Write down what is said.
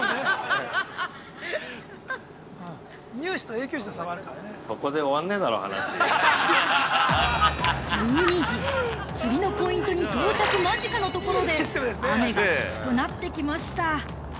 ◆優しい？◆１２時、釣りのポイントに到着間近のところで、雨がきつくなってきました。